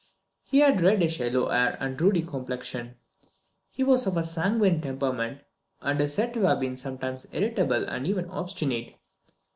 He had reddish yellow hair and a ruddy complexion. He was of a sanguine temperament, and is said to have been sometimes irritable, and even obstinate.